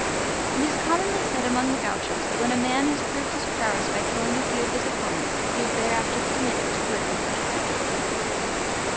It is commonly said among the gauchos that when a man has proved his prowess by killing a few of his opponents, he is thereafter permitted to live in peace.